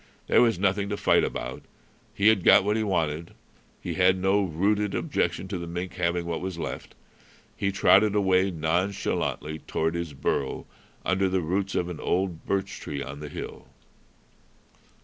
There was nothing to fight about. He had got what he wanted. He had no rooted objection to the mink having what was left. He trotted away nonchalantly toward his burrow under the roots of an old birch tree on the hill.